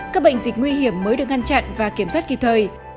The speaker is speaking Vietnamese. các bệnh dịch nguy hiểm mới được ngăn chặn và kiểm soát kịp thời